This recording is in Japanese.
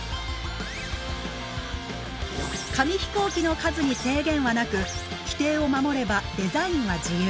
紙飛行機の数に制限はなく規定を守ればデザインは自由。